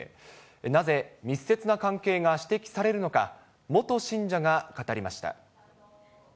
なぜ、密接な関係が指摘されるのか、元信者が語りました。